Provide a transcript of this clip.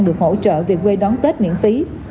được hỗ trợ về quê đón tết miễn phí